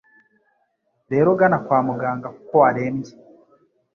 rero gana kwa muganga kuko warembye .